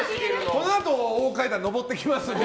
このあと大階段上ってきますので。